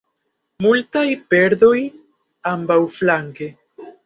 Multaj perdoj ambaŭflanke.